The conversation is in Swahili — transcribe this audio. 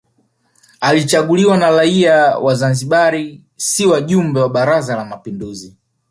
Alichaguliwa na raia wa Zanzibar si wajumbe wa Baraza la Mapinduzi